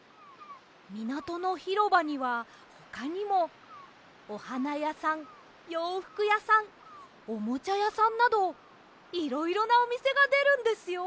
みなとのひろばにはほかにもおはなやさんようふくやさんおもちゃやさんなどいろいろなおみせがでるんですよ。